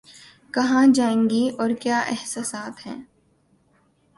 کہاں جائیں گی اور کیا احساسات ہیں